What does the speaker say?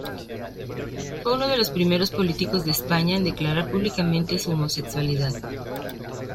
Fue uno de los primeros políticos de España en declarar públicamente su homosexualidad.